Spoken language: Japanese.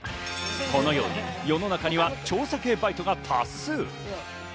このように世の中には調査系バイトが多数。